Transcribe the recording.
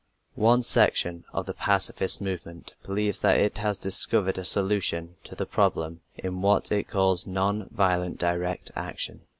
One section of the pacifist movement believes that it has discovered a solution to the problem in what it calls "non violent direct action."